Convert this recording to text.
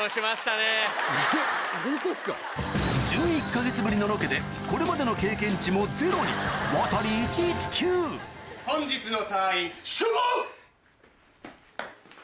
１１か月ぶりのロケでこれまでの経験値もゼロに本日の。